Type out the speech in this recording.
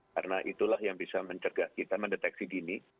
karena itulah yang bisa mencergah kita mendeteksi dini